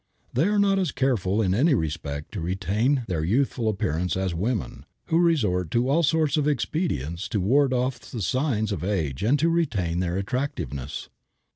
They are not as careful in any respect to retain their youthful appearance as women, who resort to all sorts of expedients to ward off signs of age and to retain their attractiveness.